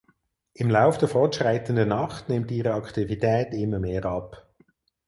Im Lauf der fortschreitenden Nacht nimmt ihre Aktivität immer mehr ab.